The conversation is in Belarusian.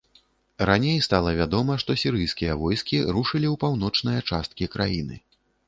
Раней стала вядома, што сірыйскія войскі рушылі ў паўночныя часткі краіны.